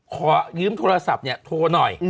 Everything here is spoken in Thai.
ขอยืมโทรศัพท์เนี่ยโทรหน่อย